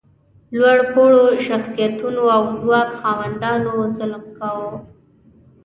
لوړ پوړو شخصیتونو او ځواک خاوندانو ظلم کاوه.